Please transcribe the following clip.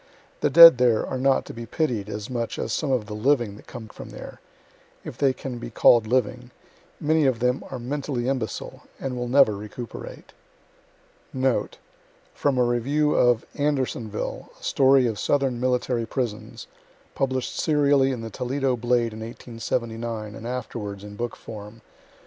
The dead there are not to be pitied as much as some of the living that come from there if they can be call' d living many of them are mentally imbecile, and will never recuperate. Note: From a review of "ANDERSONVILLE, A STORY OF SOUTHERN MILTTARY PRISONS," published serially in the Toledo "Blade" in 1879, and afterwards in book form.